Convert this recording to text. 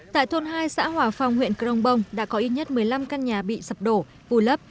tại thôn hai xã hòa phong huyện crong bông đã có ít nhất một mươi năm căn nhà bị sập đổ vùi lấp